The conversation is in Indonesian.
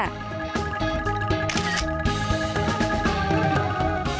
dari atas jembatan terlihat